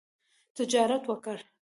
تجارت وکړئ